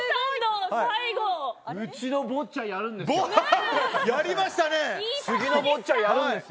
うちの坊ちゃんやるんですよ。